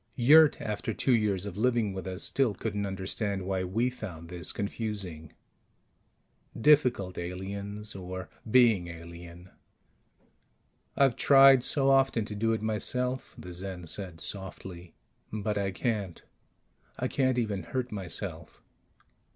Yurt, after two years of living with us, still couldn't understand why we found this confusing. Difficult, aliens or being alien. "I've tried so often to do it myself," the Zen said softly. "But I can't. I can't even hurt myself.